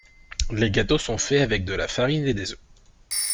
Les gâteaux sont faits avec de la farine et des œufs.